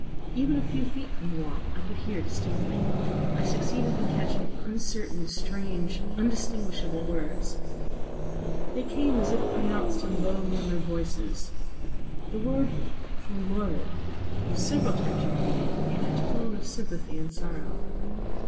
Even a few feet from the wall I could hear distinctly. I succeeded in catching uncertain, strange, undistinguishable words. They came as if pronounced in low murmured whispers. The word 'forlorad' was several times repeated in a tone of sympathy and sorrow.